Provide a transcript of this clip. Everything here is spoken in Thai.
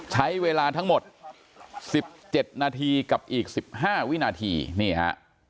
ใช้เวลาทั้งหมดสิบเจ็ดนาทีกับอีกสิบห้าวินาทีนี่ฮะ